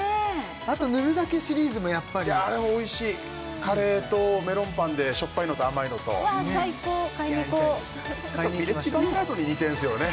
あとぬるだけシリーズもやっぱりいやあれはおいしいカレーとメロンパンでしょっぱいのと甘いのと最高買いに行こうヴィレッジヴァンガードに似てるんですよね